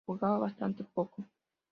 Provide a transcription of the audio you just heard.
Jugaba bastante poco.